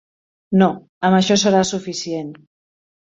No, amb això serà suficient.